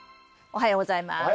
おはようございます。